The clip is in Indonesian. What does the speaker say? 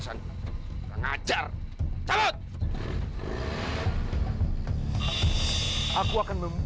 saya dah kepces